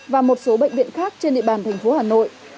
và một số bệnh viện khác trên địa bàn thành phố hà nội